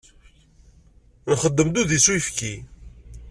Nxeddem-d udi s uyefki.